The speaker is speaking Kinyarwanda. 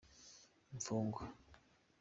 imfugwa.